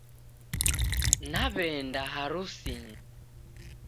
Naw'enda harusinyi